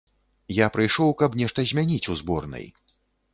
Я прыйшоў, каб нешта змяніць у зборнай.